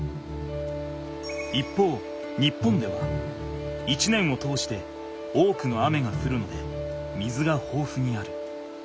一方日本では一年を通して多くの雨がふるので水がほうふにある。